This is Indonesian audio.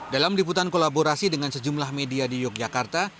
dalam liputan kolaborasi dengan sejumlah media di yogyakarta